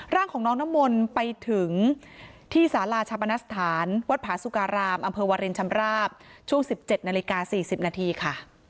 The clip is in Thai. ร่างของน้องน้ำมนต์ไปถึงที่สาราชาปนสถานวัดผาสุการามอำเภอวารินชำราบช่วง๑๗นาฬิกา๔๐นาทีค่ะ